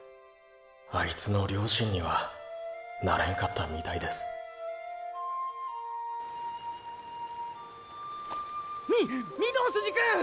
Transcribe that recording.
あいつの良心にはなれんかったみたいですみ御堂筋クン！！